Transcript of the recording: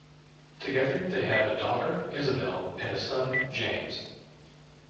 Together they have a daughter, Isabel, and a son, James.